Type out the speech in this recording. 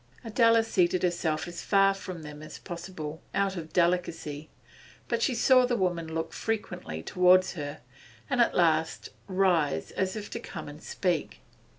Adela seated herself as far from them as possible, out of delicacy, but she saw the woman look frequently towards her, and at last rise as if to come and speak.